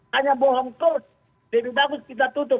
hanya bohong terus lebih bagus kita tutup